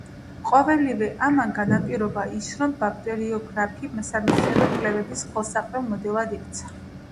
ყოველივე ამან განაპირობა, ის რომ ბაქტერიოფაგი სამეცნიერო კვლევების ხელსაყრელ მოდელად იქცა.